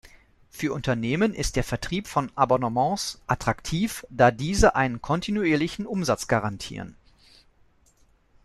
Für Unternehmen ist der Vertrieb von Abonnements attraktiv, da diese einen kontinuierlichen Umsatz garantieren.